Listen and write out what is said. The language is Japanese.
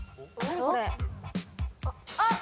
・あっ！